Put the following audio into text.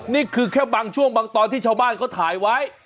นี่คือแค่บางช่วงบางตอนที่ชาวบ้านเขาถ่ายไว้